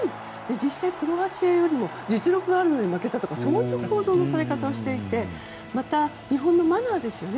実際、クロアチアよりも実力があるのに負けたとかそういう報道のされ方をされていてまた、日本のマナーですよね。